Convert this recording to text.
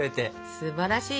すばらしい。